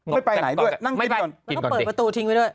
ไม่ไปไหนด้วยนั่งกินก่อนแล้วก็เปิดประตูทิ้งไว้ด้วย